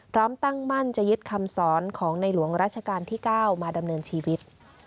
พร้อมตั้งมั่นจะยึดคำสอนของในหลวงราชการที่๙มาดำเนินชีวิต